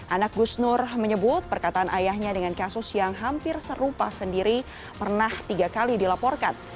anak gus nur menyebut perkataan ayahnya dengan kasus yang hampir serupa sendiri pernah tiga kali dilaporkan